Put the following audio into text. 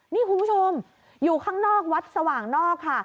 นี่คุณผู้ชมอยู่ข้างนอกวัดสว่างนอกค่ะ